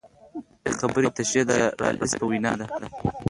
د دې خبرې تشرېح د رالز په وینا ده.